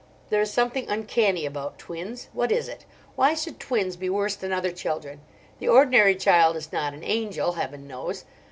There is something uncanny about twins. What is it? Why should twins be worse than other children? The ordinary child is not an angel, Heaven knows.